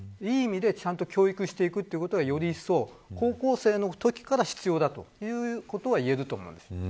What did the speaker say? いい意味で、ちゃんと教育していくことがより一層高校生のときから必要だということは言えると思います。